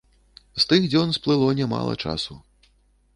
З тых дзён сплыло нямала часу.